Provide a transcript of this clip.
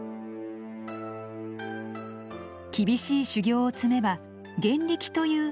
厳しい修行を積めば験力という特別な力が宿る。